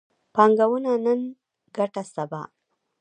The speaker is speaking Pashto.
پانګونه نن، ګټه سبا